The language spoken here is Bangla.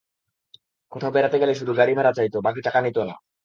কোথাও বেড়াতে গেলে শুধু গাড়ি ভাড়া চাইত, বাড়তি টাকা নিত না।